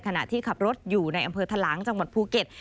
ขณะที่ขับรถอยู่นายหังเผลอธรรมดาจังหวัดภูเก็ต